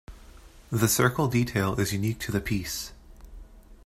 The circle detail is unique to the piece.